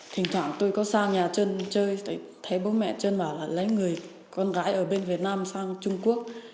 thỉnh thoảng tôi có sang nhà chân chơi thấy bố mẹ chân bảo là lấy người con gái ở bên việt nam sang trung quốc